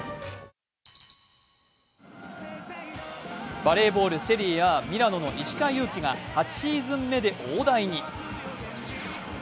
バレーボール、セリエＡミラノの石川祐希が８シーズン目で大台に。